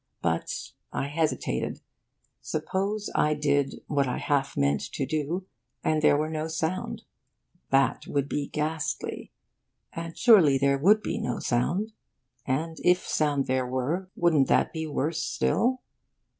But, I hesitated, suppose I did what I half meant to do, and there were no sound. That would be ghastly. And surely there would be no sound. And if sound there were, wouldn't that be worse still?